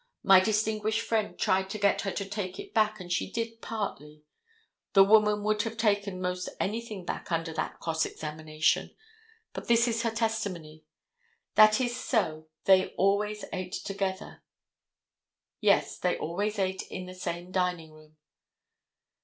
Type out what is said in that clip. My distinguished friend tried to get her to take it back, and she did partly. The woman would have taken most anything back under that cross examination, but this is her testimony: "That is so, they always ate together." "Yes, they always ate in the same dining room."